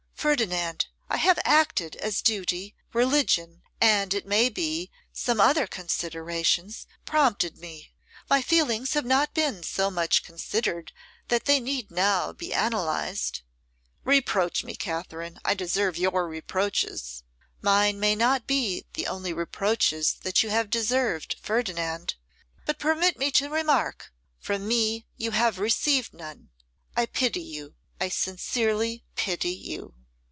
'Ferdinand, I have acted as duty, religion, and it may be, some other considerations prompted me. My feelings have not been so much considered that they need now be analysed.' 'Reproach me, Katherine, I deserve your reproaches.' 'Mine may not be the only reproaches that you have deserved, Ferdinand; but permit me to remark, from me you have received none. I pity you, I sincerely pity you.